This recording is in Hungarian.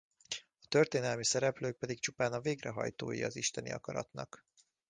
A történelmi szereplők pedig csupán a végrehajtói az isteni akaratnak.